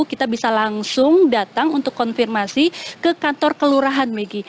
kita bisa langsung datang untuk konfirmasi ke kantor kelurahan maggie